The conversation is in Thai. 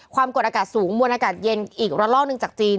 ความกดอากาศสูงมวลอากาศเย็นอีกระลอกหนึ่งจากจีน